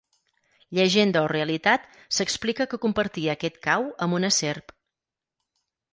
Llegenda o realitat, s'explica que compartia aquest cau amb una serp.